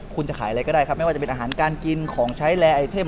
คุณจะขายอะไรก็ได้ครับไม่ว่าจะเป็นอาหารการกินของใช้แอร์ไอเทม